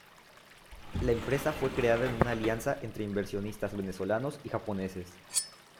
La empresa fue creada en una alianza entre inversionistas venezolanos y japoneses.